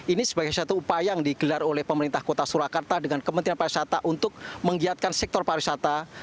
ini sebagai satu upaya yang digelar oleh pemerintah kota surakarta dengan kementerian para wisata untuk menggiatkan sektor para wisata